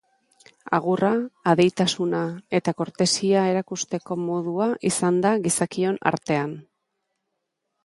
Agurra, adeitasuna eta kortesia erakusteko modua izan da gizakion artean.